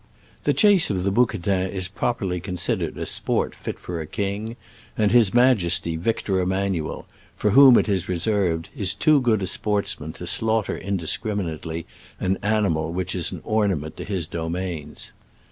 The chase of the bouque tin is properly considered a sport fit for a king, and His Majesty Victor Emmanuel, for whom it is reserved, is too good a sportsman to slaughter indiscriminately an animal which is an or nament to his domains.